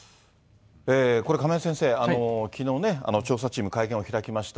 これ、亀井先生、きのうね、調査チーム会見を開きました。